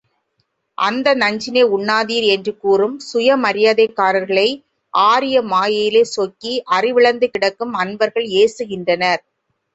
அந்த நஞ்சினை உண்ணாதீர் என்று கூறும் சுயமரியாதைக்காரர்களை, ஆரிய மாயையிலே சொக்கி அறிவிழந்து கிடக்கும் அன்பர்கள் ஏசுகின்றனர்!